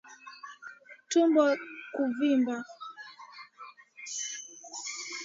Tumbo kuvimba